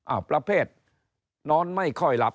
ประเภทนอนไม่ค่อยหลับ